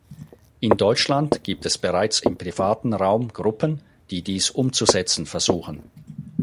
In Deutschland gibt es bereits im privaten Raum Gruppen, die dies umzusetzen versuchen.